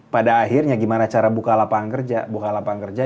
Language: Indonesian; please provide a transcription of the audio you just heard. pada akhirnya gimana cara buka lapangan kerja